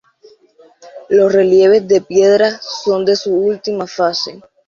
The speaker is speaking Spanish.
Los relieves de piedra son de su última fase.